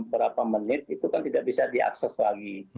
berapa menit itu kan tidak bisa diakses lagi